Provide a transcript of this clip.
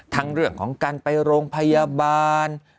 เรื่องของการไปโรงพยาบาล